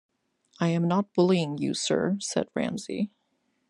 “I am not bullying you, sir,” said Ramsey.